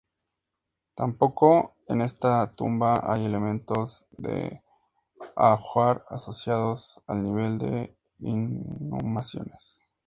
Tampoco en esta tumba hay elementos de ajuar asociados al nivel de inhumaciones.